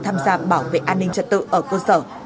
tham gia bảo vệ an ninh trật tự ở cơ sở